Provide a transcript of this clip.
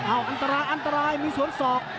อันตรายอันตรายมีสวนศอก